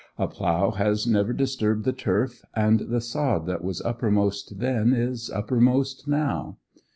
A plough has never disturbed the turf, and the sod that was uppermost then is uppermost now.